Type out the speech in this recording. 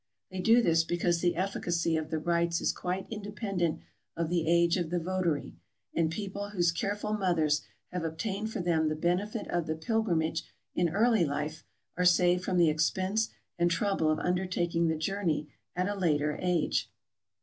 They do this because the efficacy of the rites is quite independent of the age of the votary, and people whose careful mothers have obtained for them the benefit of the pilgrimage in early life, are saved from the expense and trouble of undertaking the journey at a later age.